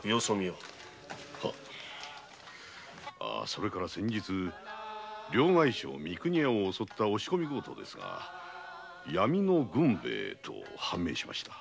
それから先日両替商の三国屋を襲った押し込み強盗ですが闇の軍兵衛と判明致しました。